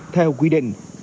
theo quy định